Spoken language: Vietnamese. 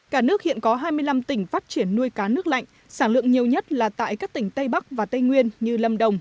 cả nước hiện có hai mươi năm tỉnh phát triển nuôi cá nước lạnh sản lượng nhiều nhất là tại các tỉnh tây bắc và tây nguyên như lâm đồng